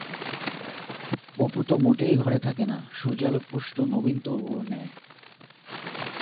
অপু তো মোটেই ঘরে থাকে না, সূর্যালোকপুষ্ট নবীন তবুর ন্যায়।